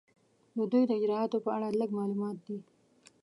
د دوی د اجرااتو په اړه لږ معلومات دي.